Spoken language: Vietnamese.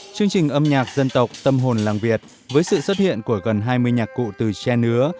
chương trình âm nhạc dân tộc tâm hồn làng việt với sự xuất hiện của gần hai mươi nhạc cụ từ tre nứa